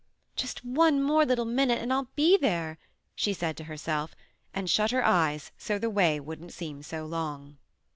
"Just one more little minute and I'll be there," she said to herself and shut her eyes so the way wouldn't seem so long.